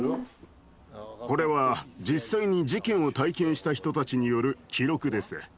これは実際に事件を体験した人たちによる記録です。